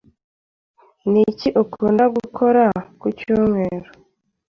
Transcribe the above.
Niki ukunda gukora ku cyumweru?